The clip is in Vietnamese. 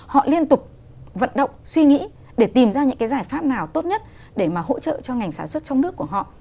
họ liên tục vận động suy nghĩ để tìm ra những cái giải pháp nào tốt nhất để mà hỗ trợ cho ngành sản xuất trong nước của họ